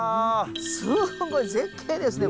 すごい絶景ですね。